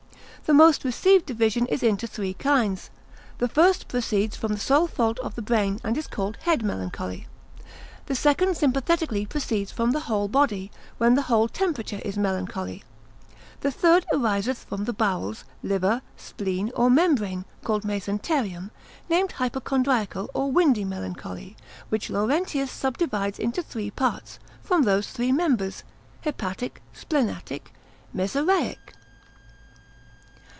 The most received division is into three kinds. The first proceeds from the sole fault of the brain, and is called head melancholy; the second sympathetically proceeds from the whole body, when the whole temperature is melancholy: the third ariseth from the bowels, liver, spleen, or membrane, called mesenterium, named hypochondriacal or windy melancholy, which Laurentius subdivides into three parts, from those three members, hepatic, splenetic, mesaraic.